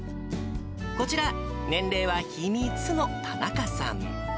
こちら、年齢は秘密の田中さん。